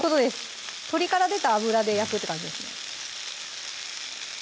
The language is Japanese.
鶏から出た脂で焼くって感じですね